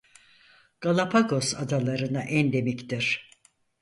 Galapagos Adaları'na endemiktir.